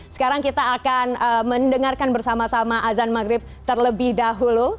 sekarang kita akan mendengarkan bersama sama azan maghrib terlebih dahulu